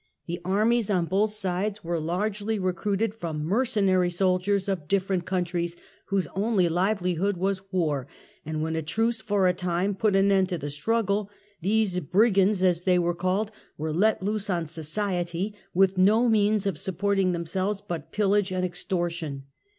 The armies on both sides were largely recruited from mercenary soldiers of different countries whose only livelihood was war, and when a truce for a time put an end to the struggle, these brigands as they were called were let loose on society, with no means of supporting themselves but pillage and extortion.